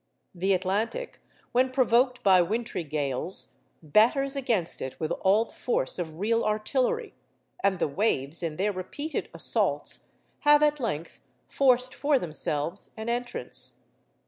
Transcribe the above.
The Atlantic, when provoked by wintry gales, batters against it with all the force of real artillery; and the waves, in their repeated assaults, have at length forced for themselves an entrance.